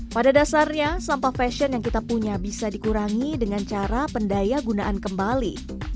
pada dasarnya sampah fashion yang kita punya bisa dikurangi dengan cara pendaya gunaan kembali